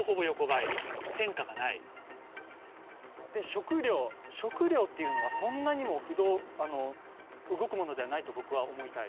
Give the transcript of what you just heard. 食料食料っていうのはそんなにも不動動くものではないと僕は思いたい。